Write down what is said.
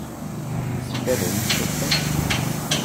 Yessefk ad iyi-tessurfem.